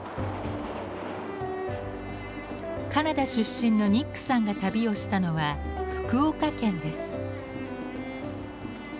カナダ出身のニックさんが旅をしたのは福岡県です。